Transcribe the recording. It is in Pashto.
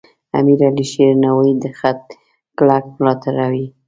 امیر علیشیر نوایی د خط کلک ملاتړی و.